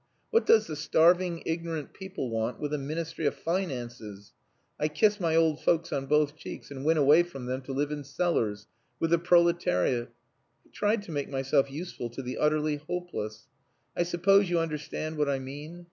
What does the starving, ignorant people want with a Ministry of Finances? I kissed my old folks on both cheeks, and went away from them to live in cellars, with the proletariat. I tried to make myself useful to the utterly hopeless. I suppose you understand what I mean?